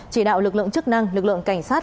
chỉ đạo lực lượng chức năng lực lượng cảnh sát